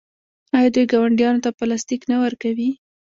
آیا دوی ګاونډیانو ته پلاستیک نه ورکوي؟